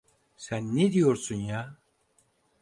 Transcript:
Sen ne diyorsun ya?